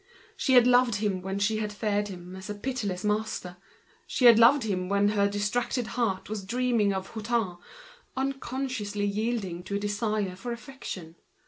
She had loved him when she had feared him as a pitiless master; she had loved him when her distracted heart was dreaming of Hutin, unconsciously yielding to a desire for affection.